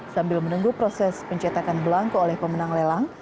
sambil menunggu proses pencetakan belangko oleh pemenang lelang